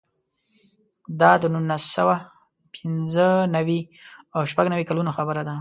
دا د نولس سوه پنځه نوي او شپږ نوي کلونو خبره ده.